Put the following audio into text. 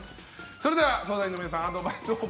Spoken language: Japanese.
それでは相談員の皆さんアドバイスを。